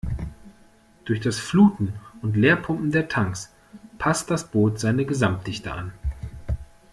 Durch das Fluten und Leerpumpen der Tanks passt das Boot seine Gesamtdichte an.